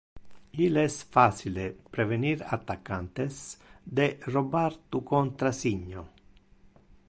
Il es facile prevenir attaccantes de robar tu contrasigno.